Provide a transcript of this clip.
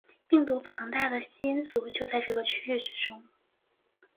病毒庞大的基因组就在这个区域之中。